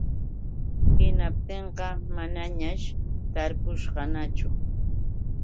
Hinaptinqa manañaćh tarpushqaañachu.